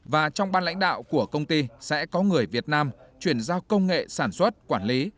và trong ban lãnh đạo của công ty sẽ có người việt nam chuyển giao công nghệ sản xuất quản lý